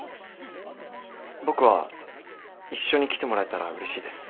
僕は一緒に来てもらえたらうれしいです。